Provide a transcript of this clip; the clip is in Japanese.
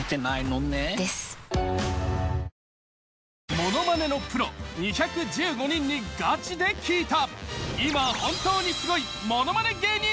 ものまねのプロ２１５人にガチで聞いた。